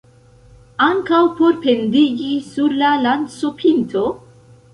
Ankaŭ por pendigi sur la lancopinto?